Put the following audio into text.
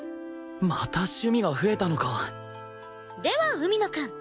また趣味が増えたのかでは海野くん。